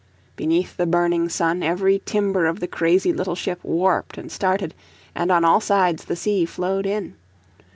Beneath the burning sun every timber of the crazy little ship warped and started, and on all sides the sea flowed in.